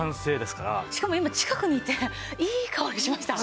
しかも今近くにいていい香りしました。